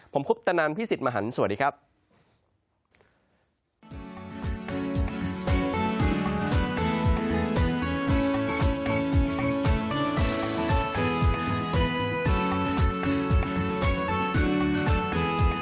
ผมคุปตนันพี่สิทธิ์มหันฯสวัสดีครับ